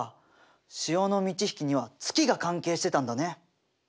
潮の満ち引きには月が関係してたんだね。